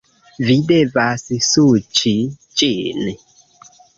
Vi devas suĉi ĝin